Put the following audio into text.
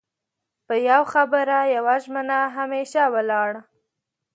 په يو خبره يوه ژمنه همېشه ولاړ